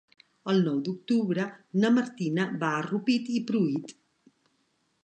El nou d'octubre na Martina va a Rupit i Pruit.